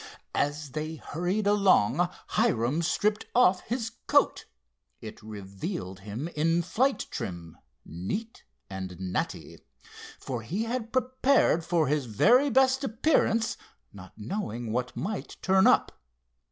As they hurried along Hiram stripped off his coat. It revealed him in flight trim, neat and natty, for he had prepared for his very best appearance, not knowing what might turn up.